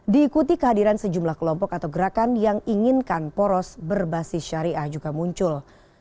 diikuti kehadiran sejumlah kelompok atau gerakan yang inginkan poros berbasis syariah juga muncul